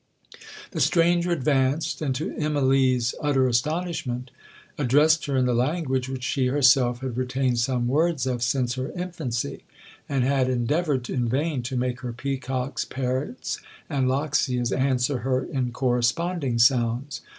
'The stranger advanced, and, to Immalee's utter astonishment, addressed her in the language which she herself had retained some words of since her infancy, and had endeavoured in vain to make her peacocks, parrots, and loxias, answer her in corresponding sounds.